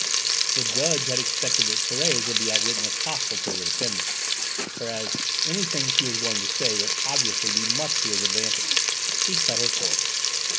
The judge had expected that Thérèse would be a witness hostile to the defendant, whereas anything she was going to say would obviously be much to his advantage. He cut her short.